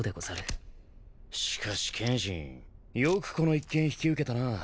しかし剣心よくこの一件引き受けたな。